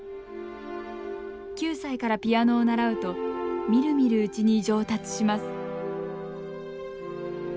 ９歳からピアノを習うとみるみるうちに上達します